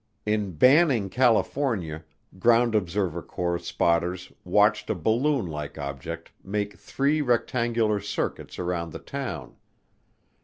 In Banning, California, Ground Observer Corps spotters watched a "balloon like object make three rectangular circuits around the town."